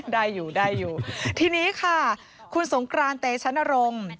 ได้อยู่ทีนี้ค่ะคุณสงกรานเตชันอารมณ์